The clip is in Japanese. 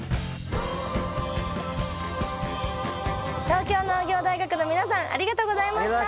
東京農業大学の皆さんありがとうございました！